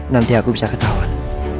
nanti aku bisa ketahuan